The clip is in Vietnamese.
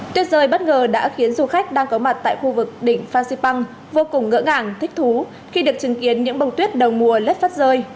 tuyết rơi bất ngờ đã khiến du khách đang có mặt tại khu vực đỉnh phan xipang vô cùng ngỡ ngàng thích thú khi được chứng kiến những bông tuyết đầu mùa lất vất rơi